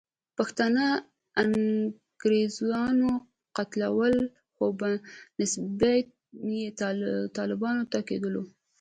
پښتانه انګریزانو قتلول، خو نسبیت یې طالبانو ته کېدلو.